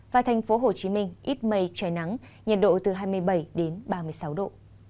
và thành phố hồ chí minh ít mây trời nắng nhiệt độ từ hai mươi bảy đến ba mươi sáu độ